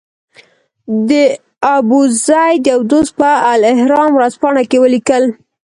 د ابوزید یو دوست په الاهرام ورځپاڼه کې ولیکل.